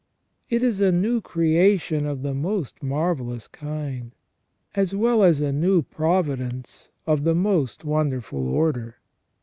It is a new creation of the most marvellous kind, as well as a new providence of the most wonderful order.